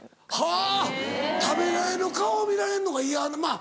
はぁ食べられる顔を見られるのが嫌まぁ。